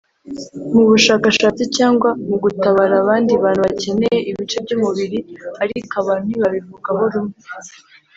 mu bushakashatsi cyangwa mu gutabara abandi bantu bakeneye ibice by’umubiri ariko abantu ntibabivugaho rumwe